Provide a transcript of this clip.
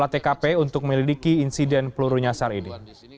olah tkp untuk melidiki insiden peluru nyasar ini